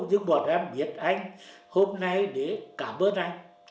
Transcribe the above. nhưng bọn em biết anh hôm nay để cảm ơn anh